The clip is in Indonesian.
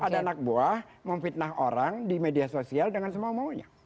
ada anak buah memfitnah orang di media sosial dengan semua maunya